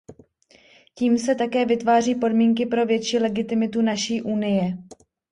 Tím se také vytváří podmínky pro větší legitimitu naší Unie.